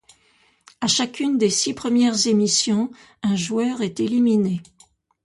À chacune des six premières émissions un joueur est éliminé.